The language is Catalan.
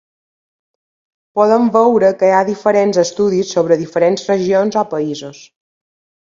Podem veure que hi ha diferents estudis sobre diferents regions o països.